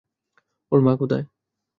ওর মা কোথায়?